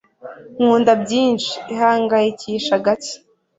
Kunda byinshi. Ihangayikishe gake.